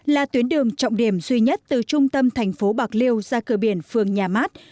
là tuyến đường trọng điểm duy nhất từ trung tâm thành phố bạc liêu ra cửa biển phường nhà mát